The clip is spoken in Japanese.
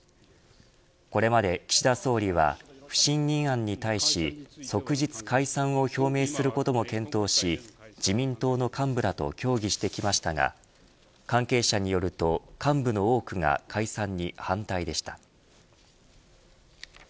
これまで岸田総理は不信任案に対し、即日解散を表明することも検討し自民党の幹部らと協議してきましたが関係者によると、幹部の多くが解散に反対でした。